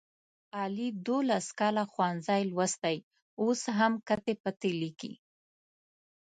علي دوولس کاله ښوونځی لوستی اوس هم کتې پتې لیکي.